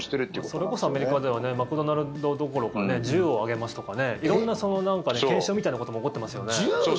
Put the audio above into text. それこそアメリカではマクドナルドどころか銃をあげますとかね色んな懸賞みたいなことも銃？